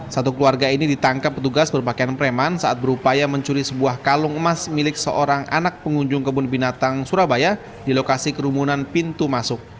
satu keluarga ini ditangkap petugas berpakaian preman saat berupaya mencuri sebuah kalung emas milik seorang anak pengunjung kebun binatang surabaya di lokasi kerumunan pintu masuk